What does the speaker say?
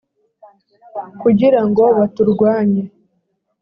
kugira ngo baturwanye.